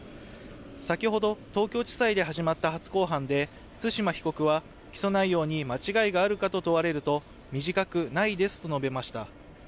先ほど、東京地裁で始まった初公判で対馬被告は起訴内容に間違いがあるかと問われると、短くないですと述べました。